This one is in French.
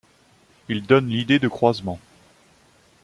Il donne l'idée de croisement.